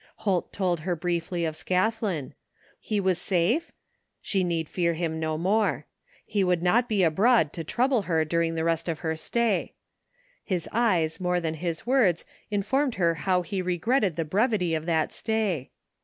Holt told her briefly of Scathlin. He was safe? She need fear him no more. He would hot be abroad to trouble her during the rest of her stay. His eyes more than his words informed her how he regretted the brevity of that stay.